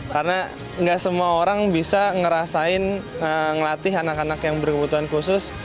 karena nggak semua orang bisa ngerasain ngelatih anak anak yang berkebutuhan khusus